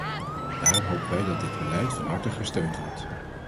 Daarom hopen wij dat dit beleid van harte gesteund wordt.